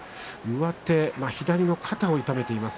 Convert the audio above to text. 左の肩を痛めています。